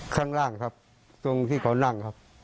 ข้างล่างครับตรงที่เขานั่งครับ